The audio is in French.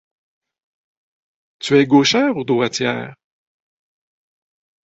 Tu es gauchère ou droitière ?